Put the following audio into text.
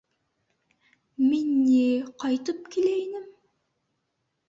Мин ни... ҡайтып килә инем...